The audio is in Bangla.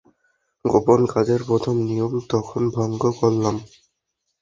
গোপন কাজের প্রথম নিয়ম তখন ভঙ্গ করলাম।